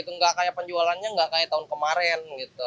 nggak kayak penjualannya nggak kayak tahun kemarin